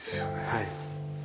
はい。